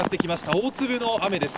大粒の雨です。